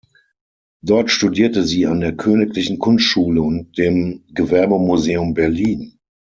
Dort studierte sie an der Königlichen Kunstschule und dem Gewerbemuseum Berlin.